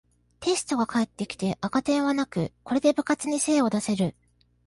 テストが返ってきて赤点はなく、これで部活に精を出せる